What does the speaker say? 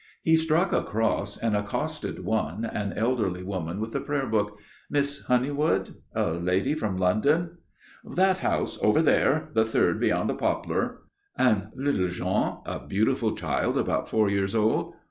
He struck across and accosted one, an elderly woman with a prayer book. "Miss Honeywood? A lady from London?" "That house over there the third beyond the poplar." "And little Jean a beautiful child about four years old?"